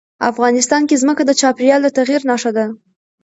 افغانستان کې ځمکه د چاپېریال د تغیر نښه ده.